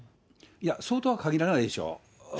そうとは限らないでしょう。